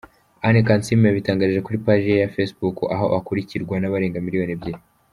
Anne Kansiime yabitangarije kuri paji ye ya facebook aho akurirwa n’ abarenga miliyoni ebyiri.